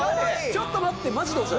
ちょっと待って、マジで。